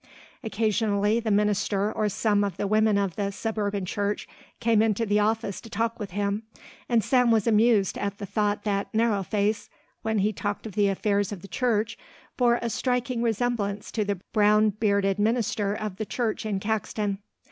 Occasionally the minister or some of the women of the suburban church came into the office to talk with him, and Sam was amused at the thought that Narrow Face, when he talked of the affairs of the church, bore a striking resemblance to the brown bearded minister of the church in Caxton.